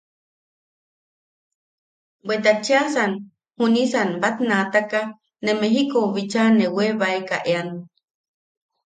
Bweta cheʼasan junisan batnaataka ne Mejikou bicha ne webaeka ean.